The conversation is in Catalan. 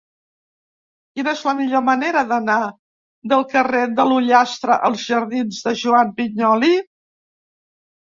Quina és la millor manera d'anar del carrer de l'Ullastre als jardins de Joan Vinyoli?